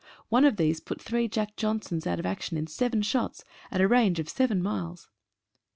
One of these put three "Jack Johnsons" out of action in seven shots, at a range of seven miles.